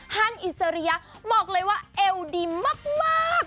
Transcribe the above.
ฮันอิสริยะบอกเลยว่าเอวดีมาก